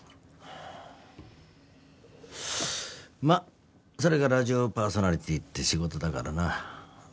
まあそれがラジオパーソナリティーって仕事だからな。